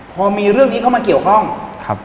พอมีเรื่องนี้เข้ามาเกี่ยวข้องครับ